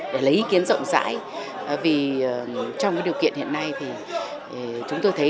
để lấy ý kiến rộng rãi vì trong điều kiện hiện nay thì chúng tôi thấy